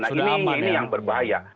nah ini yang berbahaya